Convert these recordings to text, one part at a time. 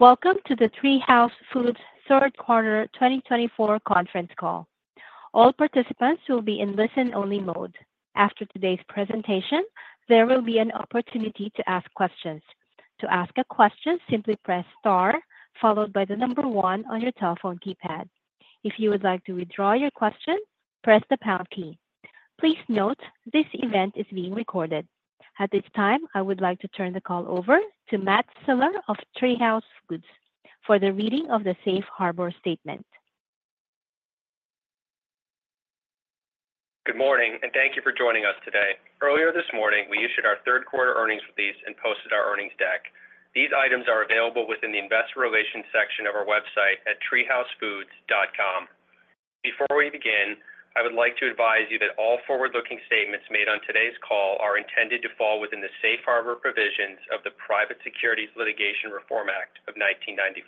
Welcome to the TreeHouse Foods Third Quarter 2024 conference call. All participants will be in listen-only mode. After today's presentation, there will be an opportunity to ask questions. To ask a question, simply press star followed by the number one on your telephone keypad. If you would like to withdraw your question, press the pound key. Please note this event is being recorded. At this time, I would like to turn the call over to Matt Siler of TreeHouse Foods for the reading of the Safe Harbor Statement. Good morning, and thank you for joining us today. Earlier this morning, we issued our third quarter earnings release and posted our earnings deck. These items are available within the investor relations section of our website at treehousefoods.com. Before we begin, I would like to advise you that all forward-looking statements made on today's call are intended to fall within the safe harbor provisions of the Private Securities Litigation Reform Act of 1995.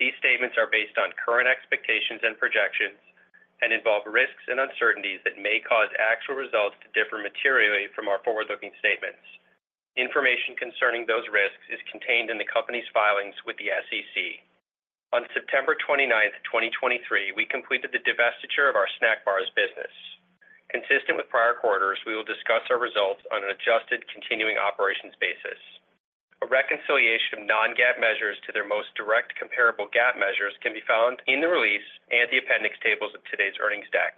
These statements are based on current expectations and projections and involve risks and uncertainties that may cause actual results to differ materially from our forward-looking statements. Information concerning those risks is contained in the company's filings with the SEC. On September 29, 2023, we completed the divestiture of our snack bars business. Consistent with prior quarters, we will discuss our results on an adjusted continuing operations basis. A reconciliation of non-GAAP measures to their most direct comparable GAAP measures can be found in the release and the appendix tables of today's earnings deck.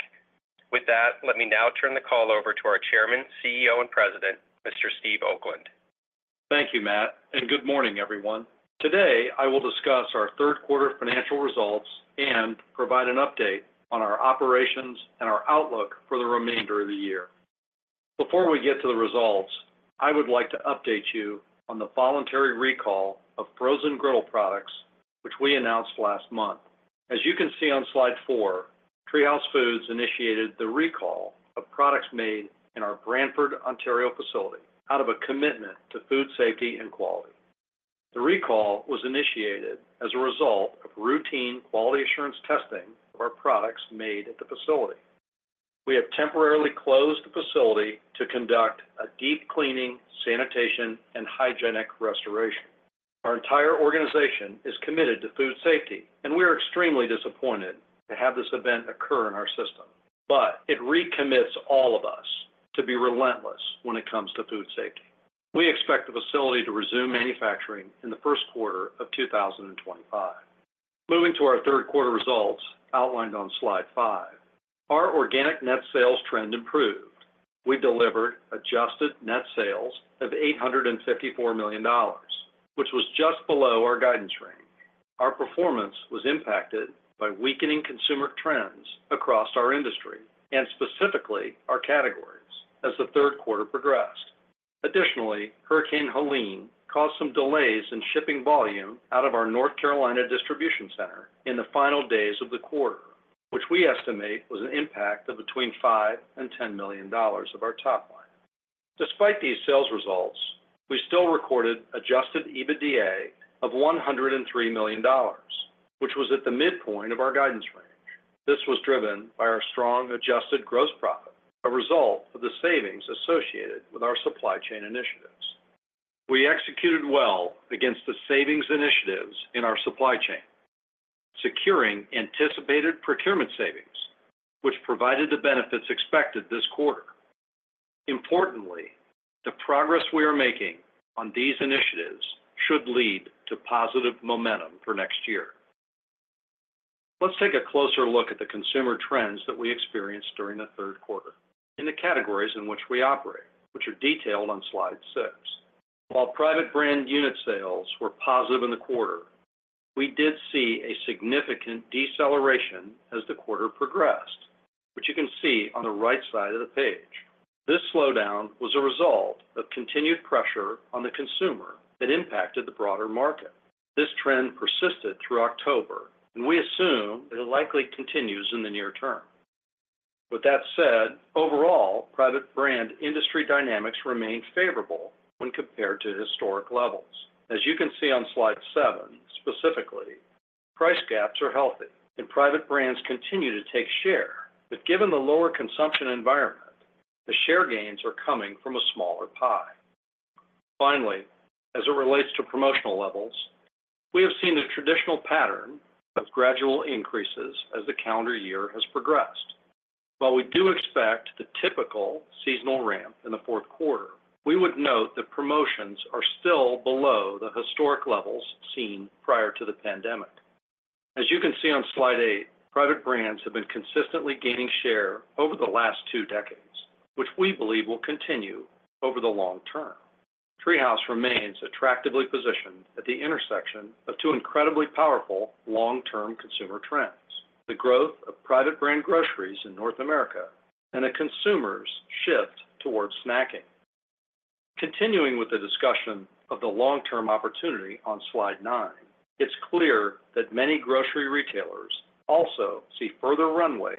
With that, let me now turn the call over to our chairman, CEO, and president, Mr. Steve Oakland. Thank you, Matt, and good morning, everyone. Today, I will discuss our third quarter financial results and provide an update on our operations and our outlook for the remainder of the year. Before we get to the results, I would like to update you on the voluntary recall of frozen griddle products, which we announced last month. As you can see on slide four, TreeHouse Foods initiated the recall of products made in our Brantford, Ontario facility out of a commitment to food safety and quality. The recall was initiated as a result of routine quality assurance testing of our products made at the facility. We have temporarily closed the facility to conduct a deep cleaning, sanitation, and hygienic restoration. Our entire organization is committed to food safety, and we are extremely disappointed to have this event occur in our system. But it recommits all of us to be relentless when it comes to food safety. We expect the facility to resume manufacturing in the first quarter of 2025. Moving to our third quarter results outlined on slide five, our organic net sales trend improved. We delivered adjusted net sales of $854 million, which was just below our guidance range. Our performance was impacted by weakening consumer trends across our industry and specifically our categories as the third quarter progressed. Additionally, Hurricane Helene caused some delays in shipping volume out of our North Carolina distribution center in the final days of the quarter, which we estimate was an impact of between $5 - $10 million of our top line. Despite these sales results, we still recorded adjusted EBITDA of $103 million, which was at the midpoint of our guidance range. This was driven by our strong adjusted gross profit, a result of the savings associated with our supply chain initiatives. We executed well against the savings initiatives in our supply chain, securing anticipated procurement savings, which provided the benefits expected this quarter. Importantly, the progress we are making on these initiatives should lead to positive momentum for next year. Let's take a closer look at the consumer trends that we experienced during the third quarter in the categories in which we operate, which are detailed on slide six. While private brand unit sales were positive in the quarter, we did see a significant deceleration as the quarter progressed, which you can see on the right side of the page. This slowdown was a result of continued pressure on the consumer that impacted the broader market. This trend persisted through October, and we assume it will likely continue in the near term. With that said, overall, private brand industry dynamics remained favorable when compared to historic levels. As you can see on slide seven, specifically, price gaps are healthy, and private brands continue to take share. But given the lower consumption environment, the share gains are coming from a smaller pie. Finally, as it relates to promotional levels, we have seen the traditional pattern of gradual increases as the calendar year has progressed. While we do expect the typical seasonal ramp in the fourth quarter, we would note that promotions are still below the historic levels seen prior to the pandemic. As you can see on slide eight, private brands have been consistently gaining share over the last two decades, which we believe will continue over the long term. TreeHouse remains attractively positioned at the intersection of two incredibly powerful long-term consumer trends: the growth of private brand groceries in North America and a consumer's shift towards snacking. Continuing with the discussion of the long-term opportunity on slide nine, it's clear that many grocery retailers also see further runway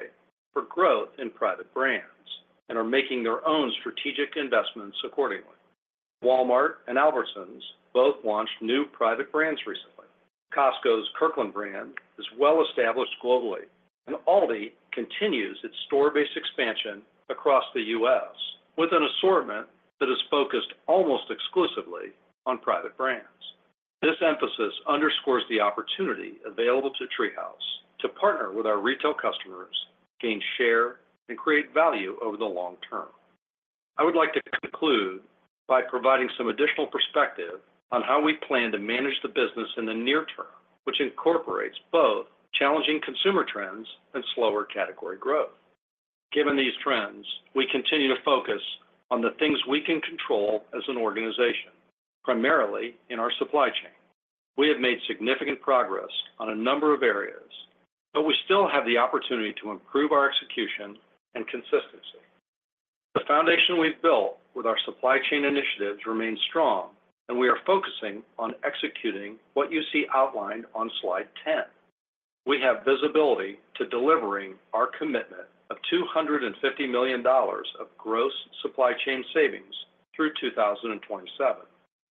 for growth in private brands and are making their own strategic investments accordingly. Walmart and Albertsons both launched new private brands recently. Costco's Kirkland brand is well established globally, and Aldi continues its store-based expansion across the U.S. with an assortment that is focused almost exclusively on private brands. This emphasis underscores the opportunity available to TreeHouse to partner with our retail customers, gain share, and create value over the long term. I would like to conclude by providing some additional perspective on how we plan to manage the business in the near term, which incorporates both challenging consumer trends and slower category growth. Given these trends, we continue to focus on the things we can control as an organization, primarily in our supply chain. We have made significant progress on a number of areas, but we still have the opportunity to improve our execution and consistency. The foundation we've built with our supply chain initiatives remains strong, and we are focusing on executing what you see outlined on slide 10. We have visibility to delivering our commitment of $250 million of gross supply chain savings through 2027.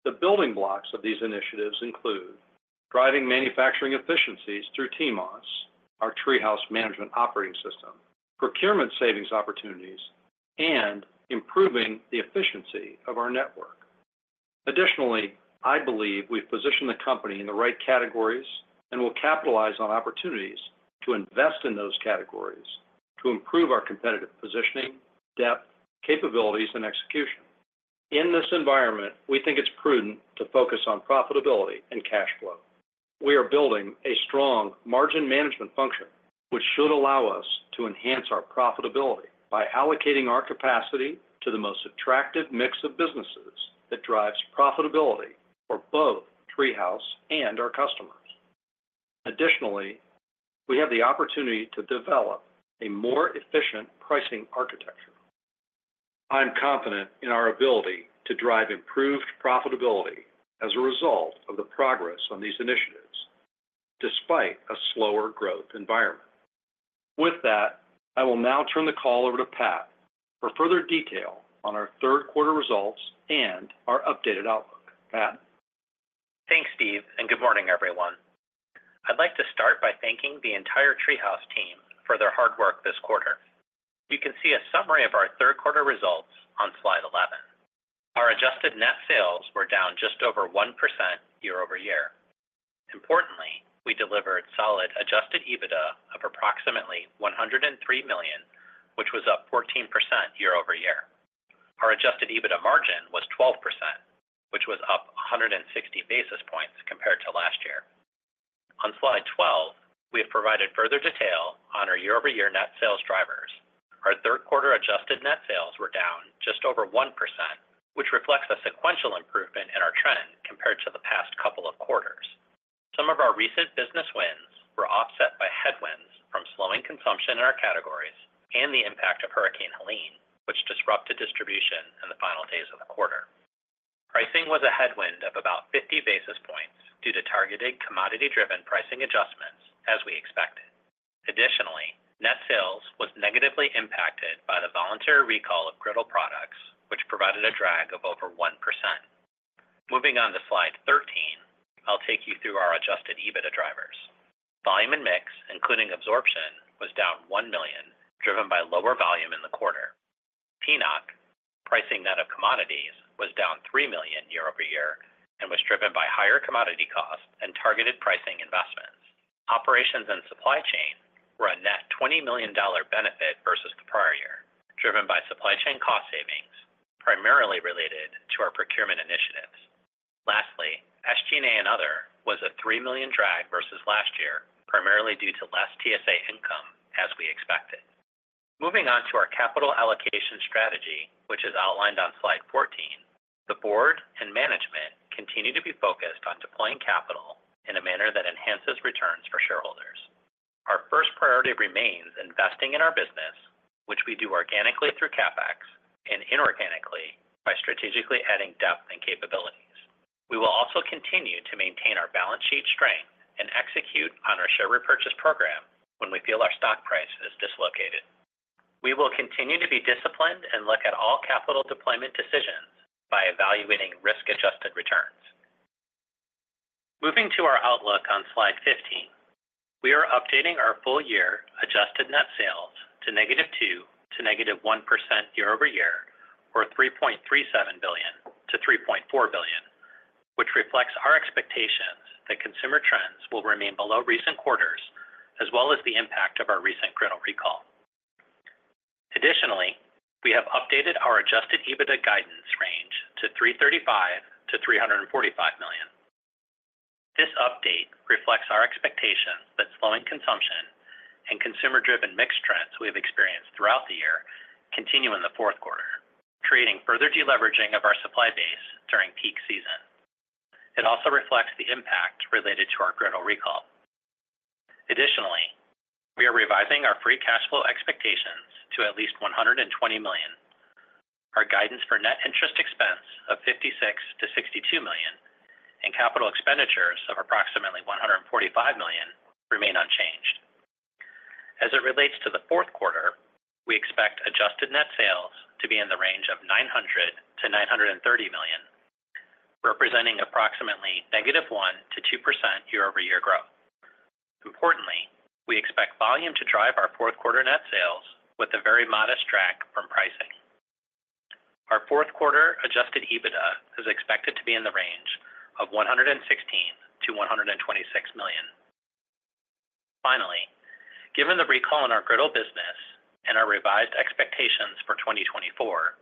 The building blocks of these initiatives include driving manufacturing efficiencies through TMOS, our TreeHouse Management Operating System, procurement savings opportunities, and improving the efficiency of our network. Additionally, I believe we've positioned the company in the right categories and will capitalize on opportunities to invest in those categories to improve our competitive positioning, depth, capabilities, and execution. In this environment, we think it's prudent to focus on profitability and cash flow. We are building a strong margin management function, which should allow us to enhance our profitability by allocating our capacity to the most attractive mix of businesses that drives profitability for both TreeHouse and our customers. Additionally, we have the opportunity to develop a more efficient pricing architecture. I'm confident in our ability to drive improved profitability as a result of the progress on these initiatives despite a slower growth environment. With that, I will now turn the call over to Pat for further detail on our third quarter results and our updated outlook. Thanks, Steve, and good morning, everyone. I'd like to start by thanking the entire TreeHouse team for their hard work this quarter. You can see a summary of our third quarter results on slide 11. Our adjusted net sales were down just over 1% year over year. Importantly, we delivered solid adjusted EBITDA of approximately $103 million, which was up 14% year over year. Our adjusted EBITDA margin was 12%, which was up 160 basis points compared to last year. On slide 12, we have provided further detail on our year-over-year net sales drivers. Our third quarter adjusted net sales were down just over 1%, which reflects a sequential improvement in our trend compared to the past couple of quarters. Some of our recent business wins were offset by headwinds from slowing consumption in our categories and the impact of Hurricane Helene, which disrupted distribution in the final days of the quarter. Pricing was a headwind of about 50 basis points due to targeted commodity-driven pricing adjustments, as we expected. Additionally, net sales was negatively impacted by the voluntary recall of griddle products, which provided a drag of over 1%. Moving on to slide 13, I'll take you through our adjusted EBITDA drivers. Volume and mix, including absorption, was down 1 million, driven by lower volume in the quarter. PNOC, pricing net of commodities, was down 3 million year over year and was driven by higher commodity costs and targeted pricing investments. Operations and supply chain were a net $20 million benefit versus the prior year, driven by supply chain cost savings, primarily related to our procurement initiatives. Lastly, SG&A and other was a $3 million drag versus last year, primarily due to less TSA income, as we expected. Moving on to our capital allocation strategy, which is outlined on slide 14, the board and management continue to be focused on deploying capital in a manner that enhances returns for shareholders. Our first priority remains investing in our business, which we do organically through CapEx and inorganically by strategically adding depth and capabilities. We will also continue to maintain our balance sheet strength and execute on our share repurchase program when we feel our stock price is dislocated. We will continue to be disciplined and look at all capital deployment decisions by evaluating risk-adjusted returns. Moving to our outlook on slide 15, we are updating our full-year adjusted net sales to -2% to -1% year over year, or $3.37-$3.4 billion, which reflects our expectations that consumer trends will remain below recent quarters, as well as the impact of our recent griddle recall. Additionally, we have updated our adjusted EBITDA guidance range to $335-$345 million. This update reflects our expectation that slowing consumption and consumer-driven mixed trends we have experienced throughout the year continue in the fourth quarter, creating further deleveraging of our supply base during peak season. It also reflects the impact related to our griddle recall. Additionally, we are revising our free cash flow expectations to at least $120 million. Our guidance for net interest expense of $56-$62 million and capital expenditures of approximately $145 million remain unchanged. As it relates to the fourth quarter, we expect adjusted net sales to be in the range of $900-$930 million, representing approximately -1% to -2% year-over-year growth. Importantly, we expect volume to drive our fourth quarter net sales with a very modest drag from pricing. Our fourth quarter adjusted EBITDA is expected to be in the range of $116-$126 million. Finally, given the recall in our griddle business and our revised expectations for 2024,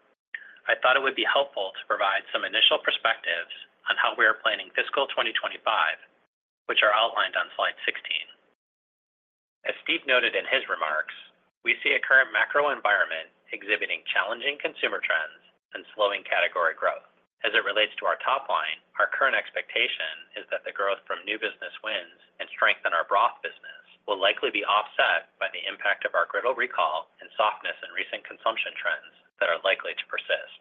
I thought it would be helpful to provide some initial perspectives on how we are planning fiscal 2025, which are outlined on slide 16. As Steve noted in his remarks, we see a current macro environment exhibiting challenging consumer trends and slowing category growth. As it relates to our top line, our current expectation is that the growth from new business wins and strength in our broth business will likely be offset by the impact of our griddle recall and softness in recent consumption trends that are likely to persist.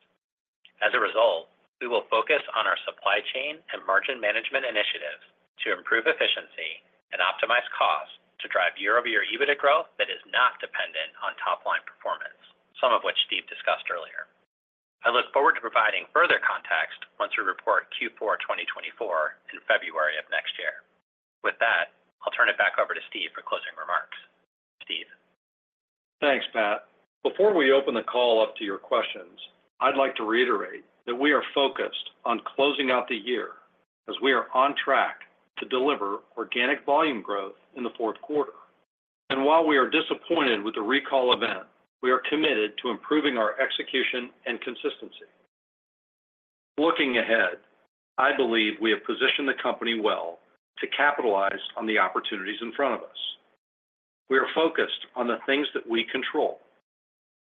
As a result, we will focus on our supply chain and margin management initiatives to improve efficiency and optimize costs to drive year-over-year EBITDA growth that is not dependent on top-line performance, some of which Steve discussed earlier. I look forward to providing further context once we report Q4 2024 in February of next year. With that, I'll turn it back over to Steve for closing remarks. Steve. Thanks, Pat. Before we open the call up to your questions, I'd like to reiterate that we are focused on closing out the year as we are on track to deliver organic volume growth in the fourth quarter, and while we are disappointed with the recall event, we are committed to improving our execution and consistency. Looking ahead, I believe we have positioned the company well to capitalize on the opportunities in front of us. We are focused on the things that we control,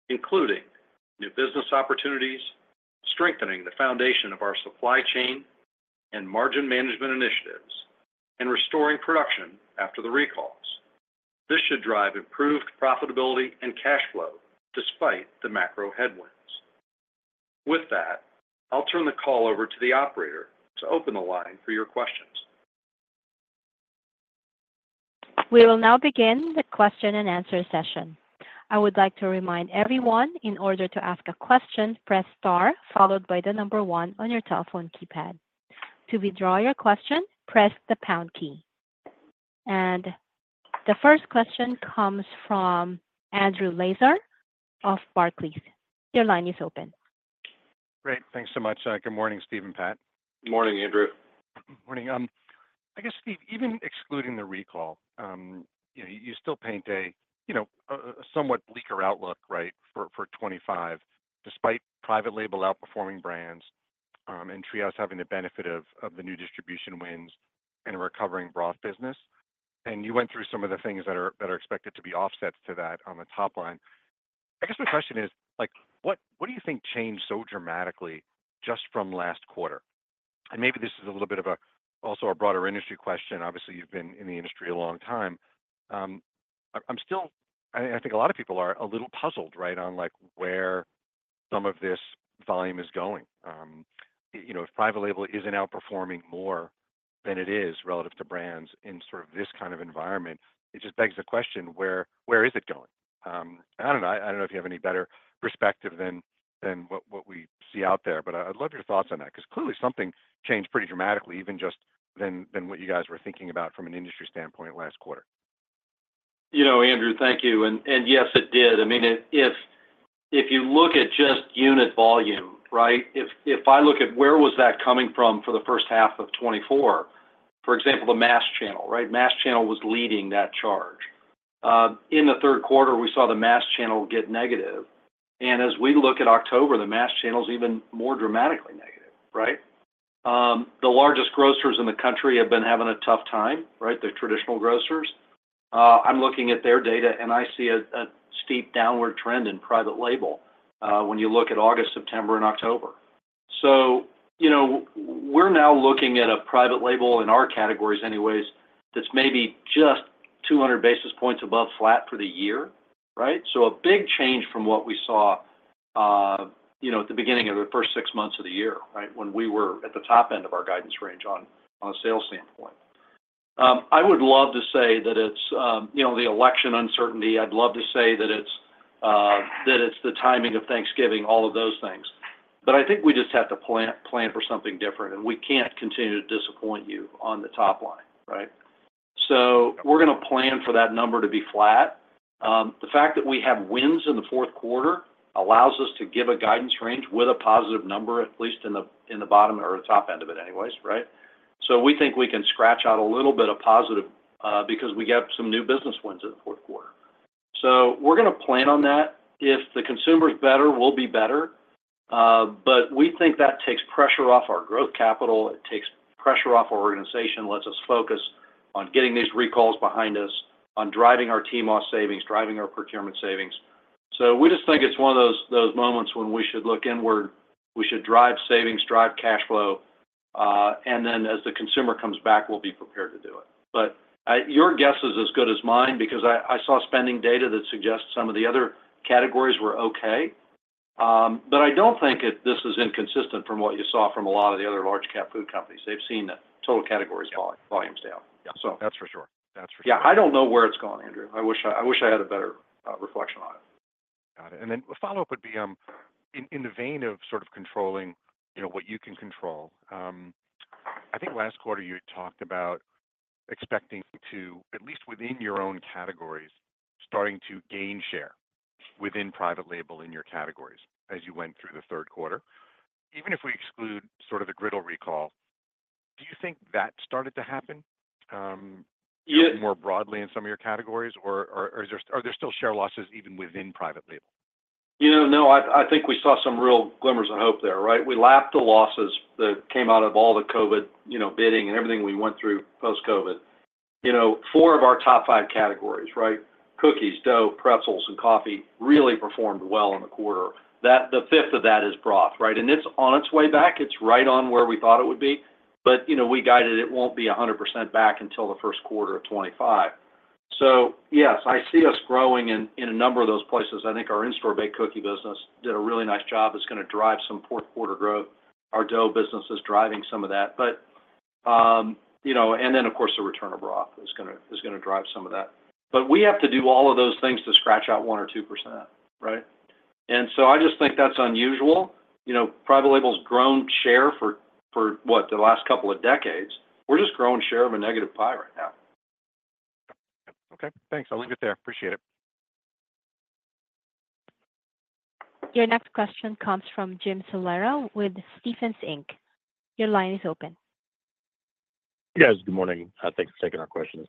including new business opportunities, strengthening the foundation of our supply chain and margin management initiatives, and restoring production after the recalls. This should drive improved profitability and cash flow despite the macro headwinds. With that, I'll turn the call over to the operator to open the line for your questions. We will now begin the question and answer session. I would like to remind everyone in order to ask a question, press star, followed by the number one on your telephone keypad. To withdraw your question, press the pound key. And the first question comes from Andrew Lazar of Barclays. Your line is open. Great. Thanks so much. Good morning, Steve and Pat. Good morning, Andrew. Morning. I guess, Steve, even excluding the recall, you still paint a somewhat bleaker outlook for 2025, despite private label outperforming brands and TreeHouse having the benefit of the new distribution wins and a recovering broth business. And you went through some of the things that are expected to be offsets to that on the top line. I guess the question is, what do you think changed so dramatically just from last quarter? And maybe this is a little bit of also a broader industry question. Obviously, you've been in the industry a long time. I think a lot of people are a little puzzled on where some of this volume is going. If private label isn't outperforming more than it is relative to brands in this kind of environment, it just begs the question, where is it going? I don't know. I don't know if you have any better perspective than what we see out there, but I'd love your thoughts on that because clearly something changed pretty dramatically, even just than what you guys were thinking about from an industry standpoint last quarter. You know, Andrew, thank you. And yes, it did. I mean, if you look at just unit volume, if I look at where was that coming from for the first half of 2024, for example, the mass channel, mass channel was leading that charge. In the third quarter, we saw the mass channel get negative. And as we look at October, the mass channel is even more dramatically negative. The largest grocers in the country have been having a tough time, the traditional grocers. I'm looking at their data, and I see a steep downward trend in private label when you look at August, September, and October. So we're now looking at a private label in our categories anyways that's maybe just 200 basis points above flat for the year. So a big change from what we saw at the beginning of the first six months of the year when we were at the top end of our guidance range on a sales standpoint. I would love to say that it's the election uncertainty. I'd love to say that it's the timing of Thanksgiving, all of those things. But I think we just have to plan for something different, and we can't continue to disappoint you on the top line. So we're going to plan for that number to be flat. The fact that we have wins in the fourth quarter allows us to give a guidance range with a positive number, at least in the bottom or the top end of it anyways. So we think we can scratch out a little bit of positive because we get some new business wins in the fourth quarter. So we're going to plan on that. If the consumer's better, we'll be better. But we think that takes pressure off our growth capital. It takes pressure off our organization, lets us focus on getting these recalls behind us, on driving our team off savings, driving our procurement savings. So we just think it's one of those moments when we should look inward. We should drive savings, drive cash flow. And then as the consumer comes back, we'll be prepared to do it. But your guess is as good as mine because I saw spending data that suggests some of the other categories were okay. But I don't think this is inconsistent from what you saw from a lot of the other large-cap food companies. They've seen the total categories volumes down. That's for sure. That's for sure. Yeah. I don't know where it's gone, Andrew. I wish I had a better reflection on it. Got it. And then a follow-up would be in the vein of sort of controlling what you can control. I think last quarter you had talked about expecting to, at least within your own categories, starting to gain share within private label in your categories as you went through the third quarter. Even if we exclude sort of the griddle recall, do you think that started to happen more broadly in some of your categories, or are there still share losses even within private label? You know, no. I think we saw some real glimmers of hope there. We lapped the losses that came out of all the COVID bidding and everything we went through post-COVID. Four of our top five categories: cookies, dough, pretzels, and coffee really performed well in the quarter. The fifth of that is broth. And it's on its way back. It's right on where we thought it would be. But we guided it won't be 100% back until the first quarter of 2025. So yes, I see us growing in a number of those places. I think our in-store baked cookie business did a really nice job. It's going to drive some fourth-quarter growth. Our dough business is driving some of that. And then, of course, the return of broth is going to drive some of that. But we have to do all of those things to scratch out one or two%. And so I just think that's unusual. Private label's grown share for, what, the last couple of decades. We're just growing share of a negative pie right now. Okay. Thanks. I'll leave it there. Appreciate it. Your next question comes from Jim Salera with Stephens Inc. Your line is open. Yes. Good morning. Thanks for taking our questions.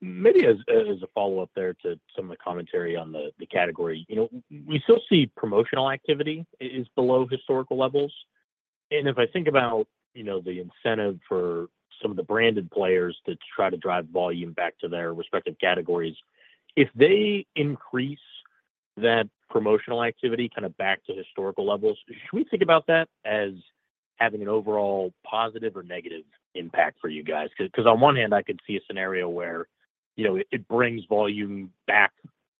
Maybe as a follow-up there to some of the commentary on the category, we still see promotional activity is below historical levels, and if I think about the incentive for some of the branded players that try to drive volume back to their respective categories, if they increase that promotional activity kind of back to historical levels, should we think about that as having an overall positive or negative impact for you guys? Because on one hand, I could see a scenario where it brings volume back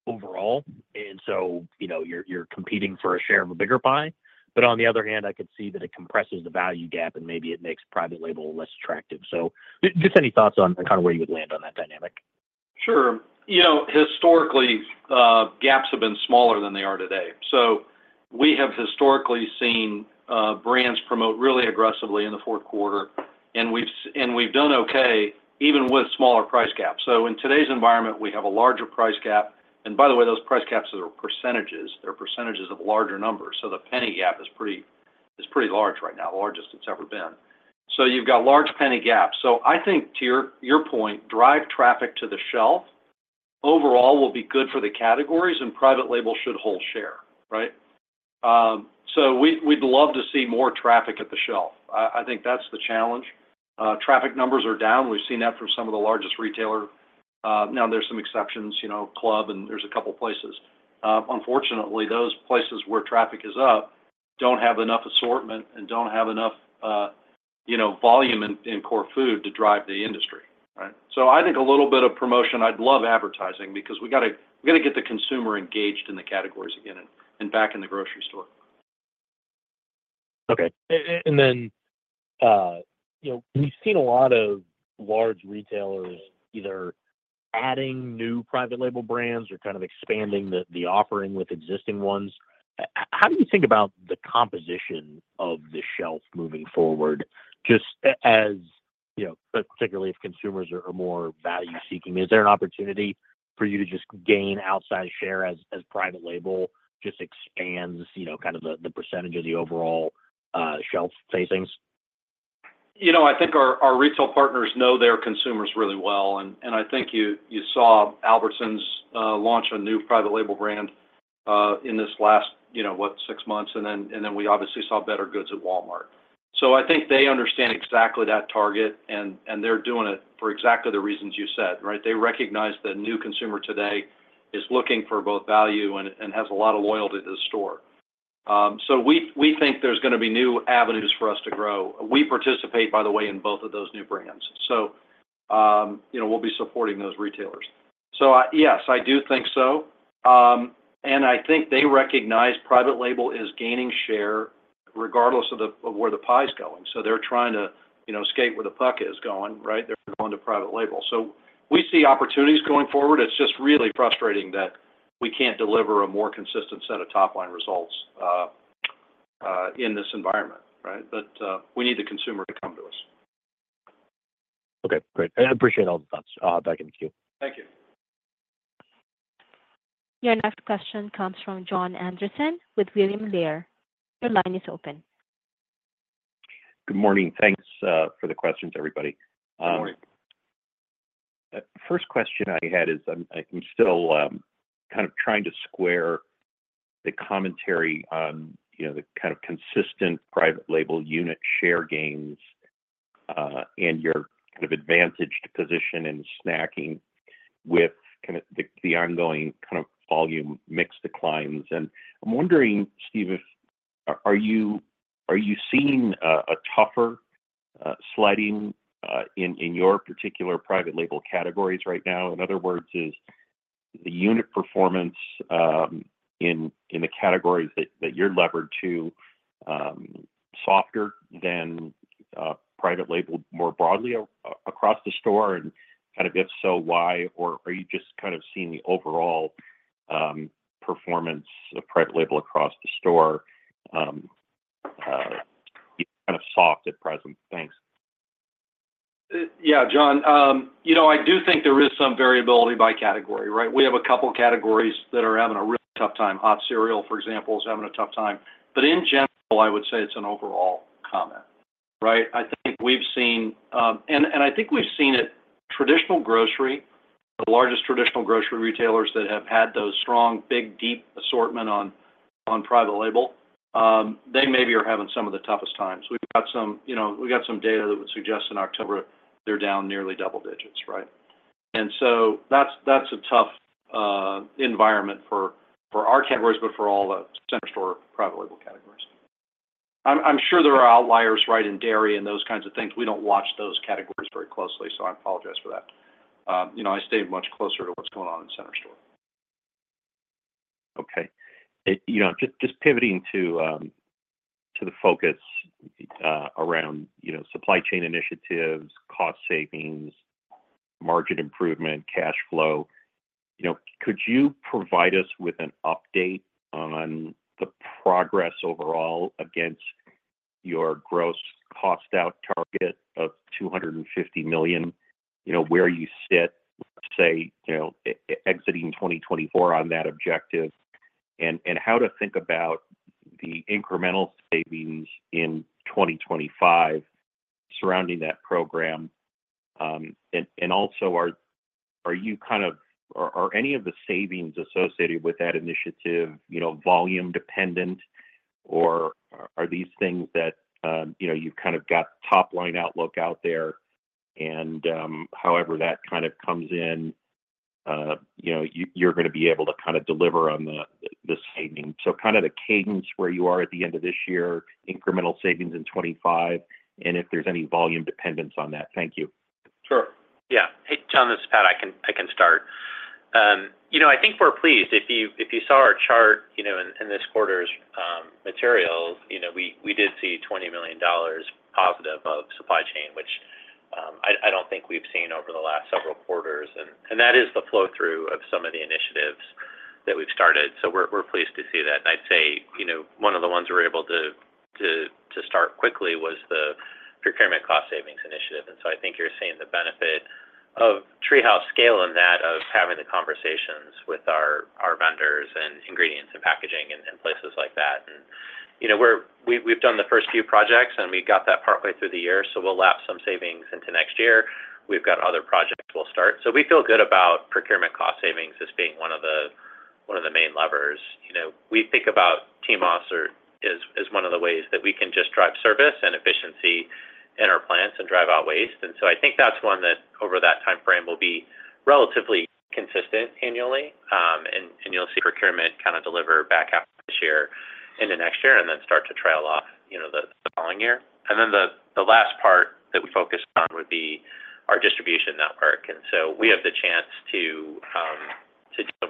overall, and so you're competing for a share of a bigger pie, but on the other hand, I could see that it compresses the value gap and maybe it makes private label less attractive, so just any thoughts on kind of where you would land on that dynamic? Sure. Historically, gaps have been smaller than they are today. So we have historically seen brands promote really aggressively in the fourth quarter, and we've done okay even with smaller price gaps. So in today's environment, we have a larger price gap. And by the way, those price gaps are percentages. They're percentages of larger numbers. So the penny gap is pretty large right now, the largest it's ever been. So you've got large penny gaps. So I think, to your point, drive traffic to the shelf overall will be good for the categories, and private label should hold share. So we'd love to see more traffic at the shelf. I think that's the challenge. Traffic numbers are down. We've seen that from some of the largest retailers. Now, there's some exceptions, Club, and there's a couple of places. Unfortunately, those places where traffic is up don't have enough assortment and don't have enough volume in core food to drive the industry. So I think a little bit of promotion. I'd love advertising because we've got to get the consumer engaged in the categories again and back in the grocery store. Okay. And then we've seen a lot of large retailers either adding new private label brands or kind of expanding the offering with existing ones. How do you think about the composition of the shelf moving forward, just particularly if consumers are more value-seeking? Is there an opportunity for you to just gain outsized share as private label just expands kind of the percentage of the overall shelf facings? I think our retail partners know their consumers really well. And I think you saw Albertsons launch a new private label brand in this last, what, six months. And then we obviously saw Bettergoods at Walmart. So I think they understand exactly that target, and they're doing it for exactly the reasons you said. They recognize that a new consumer today is looking for both value and has a lot of loyalty to the store. So we think there's going to be new avenues for us to grow. We participate, by the way, in both of those new brands. So we'll be supporting those retailers. So yes, I do think so. And I think they recognize private label is gaining share regardless of where the pie is going. So they're trying to skate where the puck is going. They're going to private label. So we see opportunities going forward. It's just really frustrating that we can't deliver a more consistent set of top-line results in this environment, but we need the consumer to come to us. Okay. Great. I appreciate all the thoughts. Back in the queue. Thank you. Your next question comes from Jon Andersen with William Blair. Your line is open. Good morning. Thanks for the questions, everybody. Good morning. First question I had is I'm still kind of trying to square the commentary on the kind of consistent private label unit share gains and your kind of advantaged position in snacking with the ongoing kind of volume mix declines, and I'm wondering, Steve, are you seeing a tougher sledding in your particular private label categories right now? In other words, is the unit performance in the categories that you're levered to softer than private label more broadly across the store? And kind of if so, why, or are you just kind of seeing the overall performance of private label across the store kind of soft at present? Thanks. Yeah, John. I do think there is some variability by category. We have a couple of categories that are having a real tough time. Hot cereal, for example, is having a tough time. But in general, I would say it's an overall comment. I think we've seen and I think we've seen it. Traditional grocery, the largest traditional grocery retailers that have had those strong, big, deep assortment on private label, they maybe are having some of the toughest times. We've got some data that would suggest in October they're down nearly double digits. And so that's a tough environment for our categories, but for all the center store private label categories. I'm sure there are outliers in dairy and those kinds of things. We don't watch those categories very closely, so I apologize for that. I stay much closer to what's going on in center store. Okay. Just pivoting to the focus around supply chain initiatives, cost savings, margin improvement, cash flow, could you provide us with an update on the progress overall against your gross cost out target of $250 million, where you sit, say, exiting 2024 on that objective, and how to think about the incremental savings in 2025 surrounding that program? And also, are any of the savings associated with that initiative volume dependent, or are these things that you've kind of got top-line outlook out there, and however that kind of comes in, you're going to be able to kind of deliver on the savings? So kind of the cadence where you are at the end of this year, incremental savings in 2025, and if there's any volume dependence on that. Thank you. Sure. Yeah. Hey, John, this is Pat. I can start. I think we're pleased. If you saw our chart in this quarter's materials, we did see $20 million positive of supply chain, which I don't think we've seen over the last several quarters. And that is the flow-through of some of the initiatives that we've started. So we're pleased to see that. And I'd say one of the ones we were able to start quickly was the procurement cost savings initiative. And so I think you're seeing the benefit of TreeHouse scale in that of having the conversations with our vendors and ingredients and packaging and places like that. And we've done the first few projects, and we got that partway through the year. So we'll lap some savings into next year. We've got other projects we'll start. So we feel good about procurement cost savings as being one of the main levers. We think about TMOS as one of the ways that we can just drive service and efficiency in our plants and drive out waste. And so I think that's one that over that time frame will be relatively consistent annually. And you'll see procurement kind of deliver back half of this year into next year and then start to trail off the following year. And then the last part that we focus on would be our distribution network. And so we have the chance to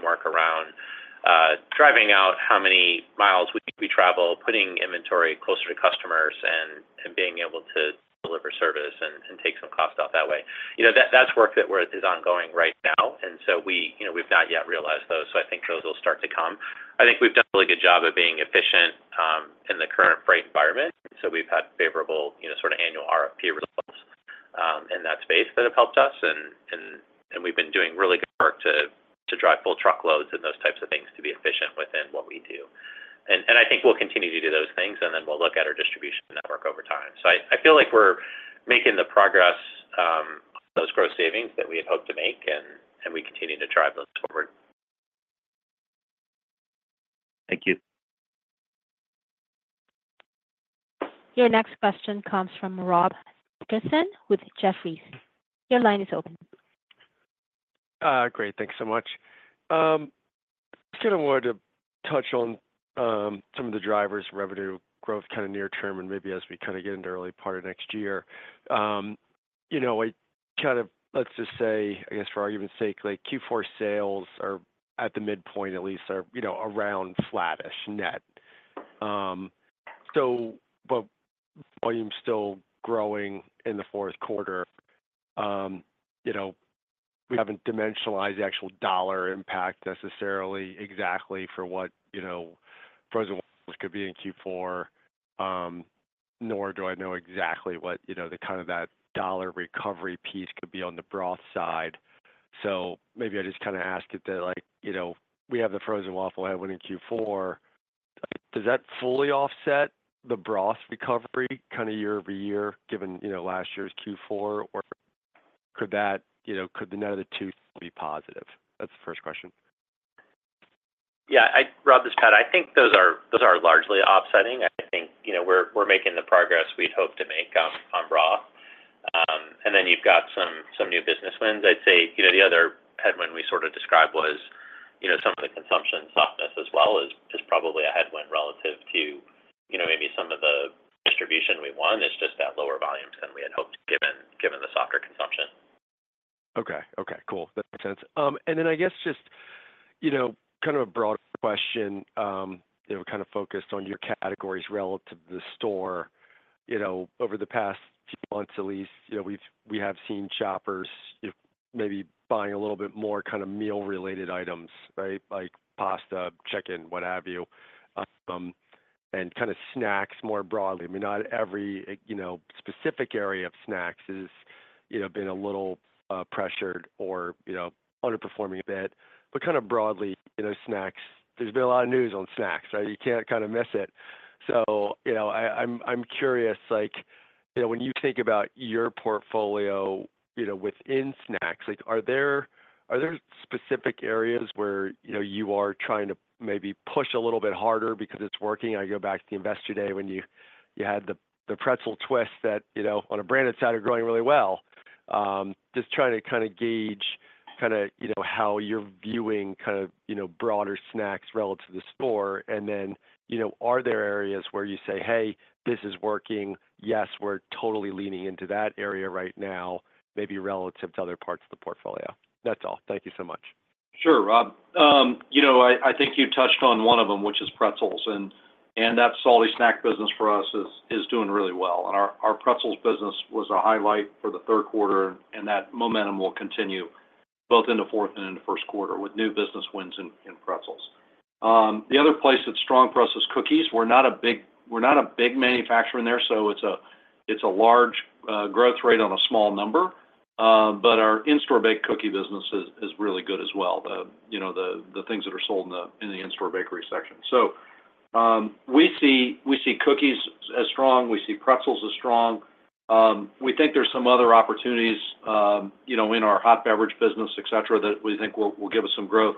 work around driving out how many miles we travel, putting inventory closer to customers, and being able to deliver service and take some cost out that way. That's work that is ongoing right now. And so we've not yet realized those. So I think those will start to come. I think we've done a really good job of being efficient in the current freight environment. So we've had favorable sort of annual RFP results in that space that have helped us. And we've been doing really good work to drive full truckloads and those types of things to be efficient within what we do. And I think we'll continue to do those things, and then we'll look at our distribution network over time. So I feel like we're making the progress on those gross savings that we had hoped to make, and we continue to drive those forward. Thank you. Your next question comes from Rob Dickerson with Jefferies. Your line is open. Great. Thanks so much. Just kind of wanted to touch on some of the drivers, revenue growth kind of near term, and maybe as we kind of get into the early part of next year. I kind of, let's just say, I guess for argument's sake, Q4 sales are at the midpoint, at least, are around flattish net. But volume's still growing in the fourth quarter. We haven't dimensionalized the actual dollar impact necessarily exactly for what frozen waffles could be in Q4, nor do I know exactly what kind of that dollar recovery piece could be on the broth side. So maybe I just kind of ask it that we have the frozen waffle headwind in Q4. Does that fully offset the broth recovery kind of year over year, given last year's Q4? Or could the net of the two still be positive? That's the first question. Yeah. Rob, this is Pat. I think those are largely offsetting. I think we're making the progress we'd hope to make on broth. And then you've got some new business wins. I'd say the other headwind we sort of described was some of the consumption softness as well is probably a headwind relative to maybe some of the distribution we want. It's just that lower volume than we had hoped given the softer consumption. Okay. Okay. Cool. That makes sense. And then I guess just kind of a broader question, kind of focused on your categories relative to the store. Over the past few months, at least, we have seen shoppers maybe buying a little bit more kind of meal-related items, right, like pasta, chicken, what have you, and kind of snacks more broadly. I mean, not every specific area of snacks has been a little pressured or underperforming a bit. But kind of broadly, there's been a lot of news on snacks, right? You can't kind of miss it. So I'm curious, when you think about your portfolio within snacks, are there specific areas where you are trying to maybe push a little bit harder because it's working? I go back to the Investor Day when you had the pretzel twist that on a branded side are growing really well. Just trying to kind of gauge kind of how you're viewing kind of broader snacks relative to the store. And then are there areas where you say, "Hey, this is working. Yes, we're totally leaning into that area right now, maybe relative to other parts of the portfolio?" That's all. Thank you so much. Sure, Rob. I think you touched on one of them, which is pretzels. And that's all the snack business for us is doing really well. And our pretzels business was a highlight for the third quarter, and that momentum will continue both into fourth and into first quarter with new business wins in pretzels. The other place that's strong for us is cookies. We're not a big manufacturer in there, so it's a large growth rate on a small number. But our in-store baked cookie business is really good as well, the things that are sold in the in-store bakery section. So we see cookies as strong. We see pretzels as strong. We think there's some other opportunities in our hot beverage business, etc., that we think will give us some growth.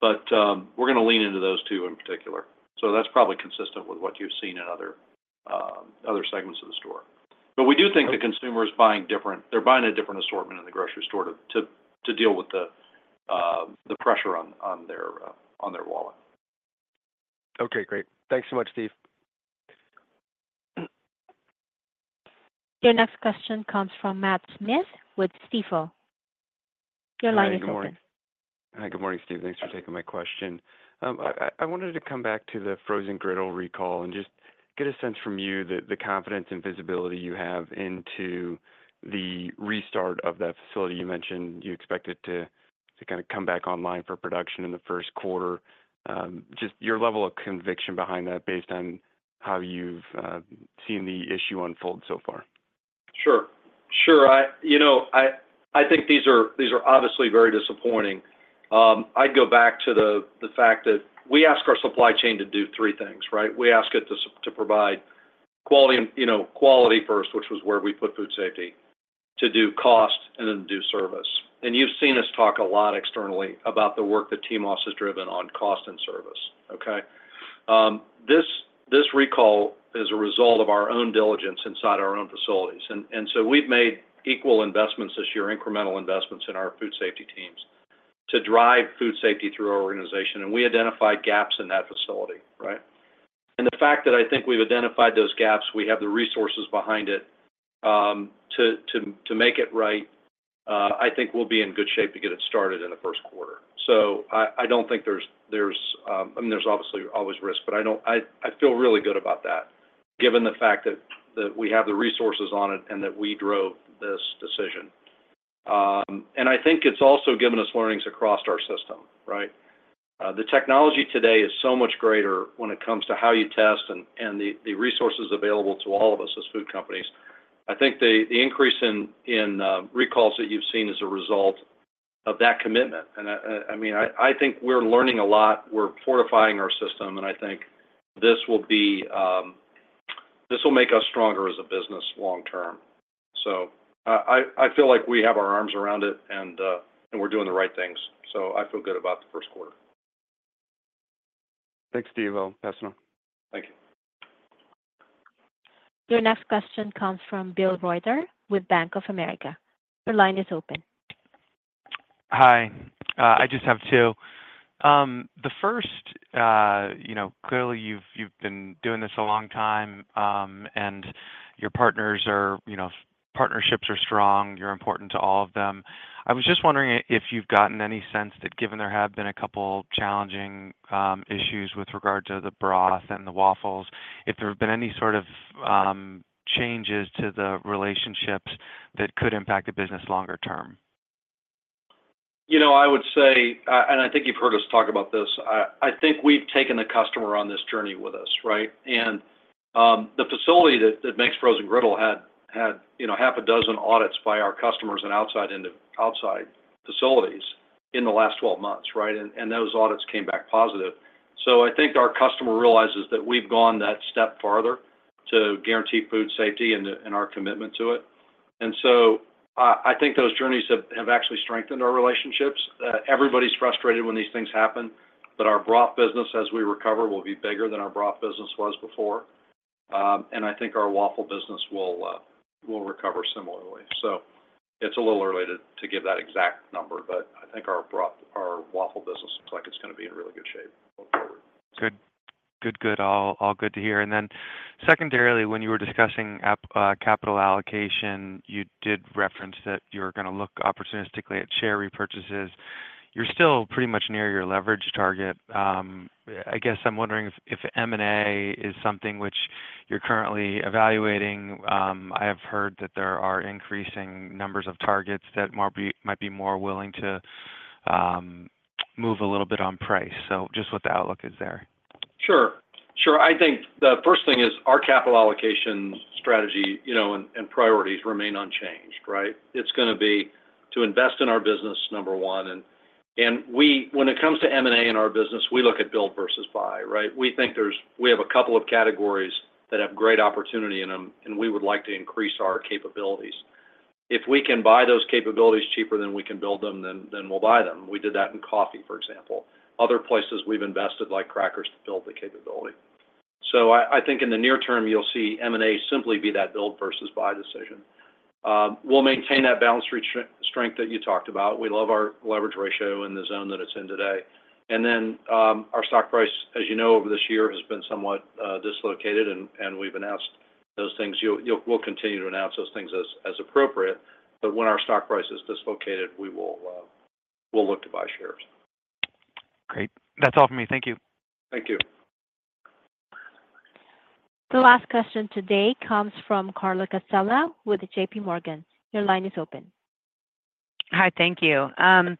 But we're going to lean into those two in particular. So that's probably consistent with what you've seen in other segments of the store. But we do think the consumer is buying different. They're buying a different assortment in the grocery store to deal with the pressure on their wallet. Okay. Great. Thanks so much, Steve. Your next question comes from Matt Smith with Stifel. Your line is open. Hey, good morning. Hi, good morning, Steve. Thanks for taking my question. I wanted to come back to the frozen griddle recall and just get a sense from you that the confidence and visibility you have into the restart of that facility you mentioned, you expect it to kind of come back online for production in the first quarter. Just your level of conviction behind that based on how you've seen the issue unfold so far? Sure. Sure. I think these are obviously very disappointing. I'd go back to the fact that we ask our supply chain to do three things, right? We ask it to provide quality first, which was where we put food safety, to do cost, and then do service. And you've seen us talk a lot externally about the work that TMOS has driven on cost and service, okay? This recall is a result of our own diligence inside our own facilities. And so we've made equal investments this year, incremental investments in our food safety teams to drive food safety through our organization. And we identified gaps in that facility, right? And the fact that I think we've identified those gaps, we have the resources behind it to make it right, I think we'll be in good shape to get it started in the first quarter. So I don't think there's, I mean, there's obviously always risk, but I feel really good about that, given the fact that we have the resources on it and that we drove this decision. And I think it's also given us learnings across our system, right? The technology today is so much greater when it comes to how you test and the resources available to all of us as food companies. I think the increase in recalls that you've seen is a result of that commitment. And I mean, I think we're learning a lot. We're fortifying our system. And I think this will make us stronger as a business long-term. So I feel like we have our arms around it, and we're doing the right things. So I feel good about the first quarter. Thanks, Steve O. Pass it on. Thank you. Your next question comes from Bill Reuter with Bank of America. Your line is open. Hi. I just have two. The first, clearly, you've been doing this a long time, and your partners are, partnerships are strong. You're important to all of them. I was just wondering if you've gotten any sense that given there have been a couple of challenging issues with regard to the broth and the waffles, if there have been any sort of changes to the relationships that could impact the business longer term? I would say, and I think you've heard us talk about this, I think we've taken the customer on this journey with us, right? And the facility that makes frozen griddle had half a dozen audits by our customers and outside facilities in the last 12 months, right? And those audits came back positive. So I think our customer realizes that we've gone that step farther to guarantee food safety and our commitment to it. And so I think those journeys have actually strengthened our relationships. Everybody's frustrated when these things happen, but our broth business, as we recover, will be bigger than our broth business was before. And I think our waffle business will recover similarly. So it's a little early to give that exact number, but I think our waffle business looks like it's going to be in really good shape going forward. Good. Good, good. All good to hear. And then secondarily, when you were discussing capital allocation, you did reference that you're going to look opportunistically at share repurchases. You're still pretty much near your leverage target. I guess I'm wondering if M&A is something which you're currently evaluating. I have heard that there are increasing numbers of targets that might be more willing to move a little bit on price. So just what the outlook is there? Sure. Sure. I think the first thing is our capital allocation strategy and priorities remain unchanged, right? It's going to be to invest in our business, number one. And when it comes to M&A in our business, we look at build versus buy, right? We think we have a couple of categories that have great opportunity in them, and we would like to increase our capabilities. If we can buy those capabilities cheaper than we can build them, then we'll buy them. We did that in coffee, for example. Other places we've invested like crackers to build the capability. So I think in the near term, you'll see M&A simply be that build versus buy decision. We'll maintain that balance sheet strength that you talked about. We love our leverage ratio in the zone that it's in today. And then our stock price, as you know, over this year has been somewhat dislocated, and we've announced those things. We'll continue to announce those things as appropriate. But when our stock price is dislocated, we will look to buy shares. Great. That's all for me. Thank you. Thank you. The last question today comes from Carla Casella with JPMorgan. Your line is open. Hi, thank you. I'm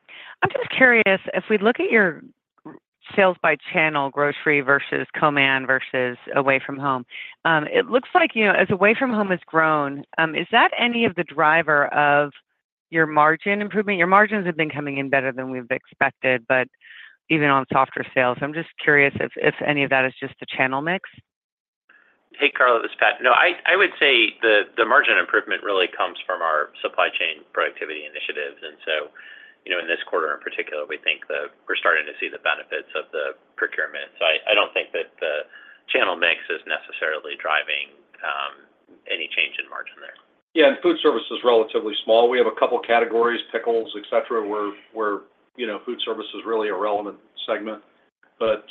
just curious, if we look at your sales by channel, grocery versus co-man versus away from home, it looks like as away from home has grown, is that any of the driver of your margin improvement? Your margins have been coming in better than we've expected, but even on softer sales. I'm just curious if any of that is just the channel mix. Hey, Carla, this is Pat. No, I would say the margin improvement really comes from our supply chain productivity initiatives, and so in this quarter in particular, we think that we're starting to see the benefits of the procurement, so I don't think that the channel mix is necessarily driving any change in margin there. Yeah, and food service is relatively small. We have a couple of categories, pickles, etc., where food service is really a relevant segment, but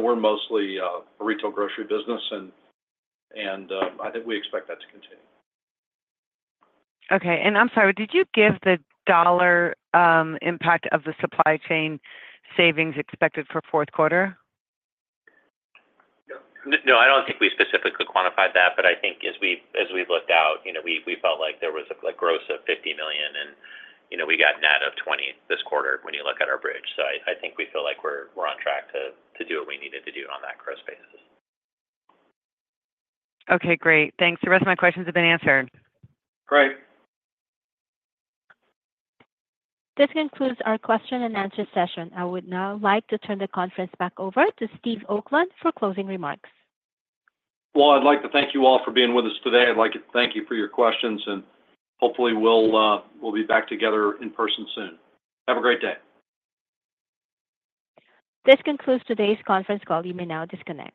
we're mostly a retail grocery business, and I think we expect that to continue. Okay. And I'm sorry, did you give the dollar impact of the supply chain savings expected for fourth quarter? No, I don't think we specifically quantified that, but I think as we looked out, we felt like there was a gross of $50 million, and we got net of $20 million this quarter when you look at our bridge. So I think we feel like we're on track to do what we needed to do on that gross basis. Okay. Great. Thanks. The rest of my questions have been answered. Great. This concludes our question-and-answer session. I would now like to turn the conference back over to Steve Oakland for closing remarks. I'd like to thank you all for being with us today. I'd like to thank you for your questions, and hopefully, we'll be back together in person soon. Have a great day. This concludes today's conference call. You may now disconnect.